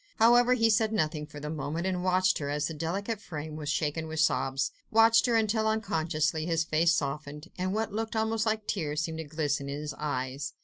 However, he said nothing for the moment, but watched her, as her delicate frame was shaken with sobs, watched her until unconsciously his face softened, and what looked almost like tears seemed to glisten in his eyes.